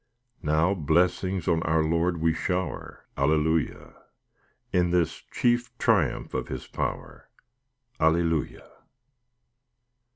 V Now blessings on our Lord we shower, Alleluia! In this chief triumph of His power, Alleluia!